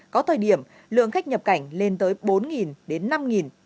có thời điểm lượng khách nhập cảnh lên tới bốn đến năm